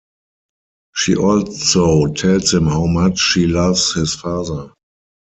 She also tells him how much she loves his father.